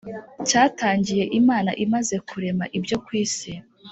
Cyatangiye Imana imaze kurema ibyo ku isi